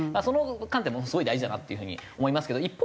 その観点もすごい大事だなっていうふうに思いますけど。